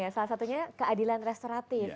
salah satunya keadilan restoratif